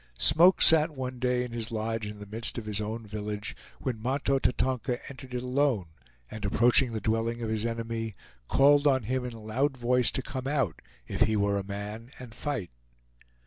Smoke sat one day in his lodge in the midst of his own village, when Mahto Tatonka entered it alone, and approaching the dwelling of his enemy, called on him in a loud voice to come out, if he were a man, and fight.